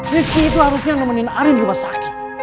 rivki itu harusnya nemenin arief di rumah sakit